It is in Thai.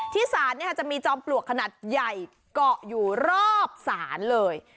ศาลจะมีจอมปลวกขนาดใหญ่เกาะอยู่รอบศาลเลย